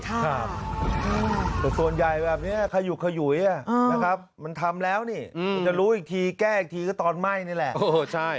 แต่ส่วนใหญ่แบบนี้ขยุกขยุยนะครับมันทำแล้วนี่มันจะรู้อีกทีแก้อีกทีก็ตอนไหม้นี่แหละ